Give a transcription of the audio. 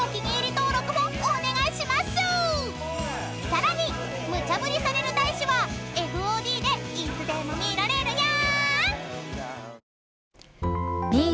［さらに無茶振りされる大志はＦＯＤでいつでも見られるよ］